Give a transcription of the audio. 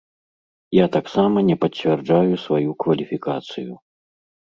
Я таксама не пацвярджаю сваю кваліфікацыю.